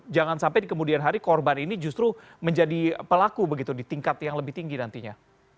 jangan sampai di kemudian hari korban ini justru menjadi pelaku begitu di tingkat yang lebih tinggi nantinya